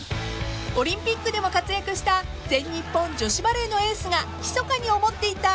［オリンピックでも活躍した全日本女子バレーのエースがひそかに思っていた